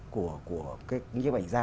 của những nhếp ảnh ra